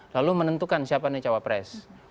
lalu menentukan siapa nih cawapres